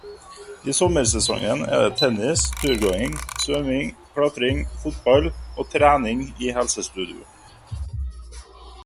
I sommersesongen er det tennis, turgåing, svømming, klatring, fotball og trening i helsestudio.